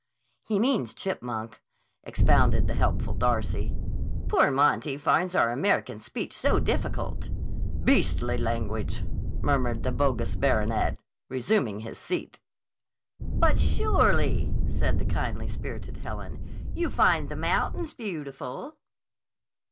"He means chipmunk," expounded the helpful Darcy. "Poor Monty finds our American speech so difficult." "Beastly language," murmured the bogus baronet, resuming his seat. "But surely," said the kindly spirited Helen, "you find the mountains beautiful."